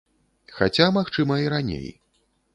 Хаця, магчыма, і раней.